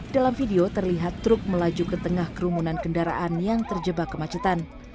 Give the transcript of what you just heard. dalam video terlihat truk melaju ke tengah kerumunan kendaraan yang terjebak kemacetan